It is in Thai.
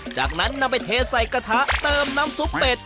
จากนั้นนำไปเทใส่กระทะเติมน้ำซุปเป็ด